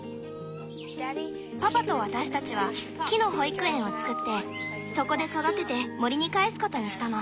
パパと私たちは木の保育園をつくってそこで育てて森に帰すことにしたの。